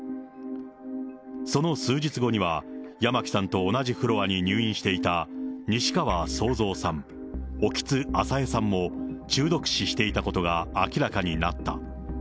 その数日後には、八巻さんと同じフロアに入院していた西川惣藏さん、興津朝江さんも中毒死していたことが明らかになった。